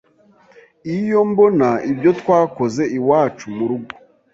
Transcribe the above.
iyo mbona ibyo twakoze iwacu mu rugo